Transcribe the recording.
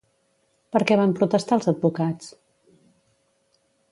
Per què van protestar els advocats?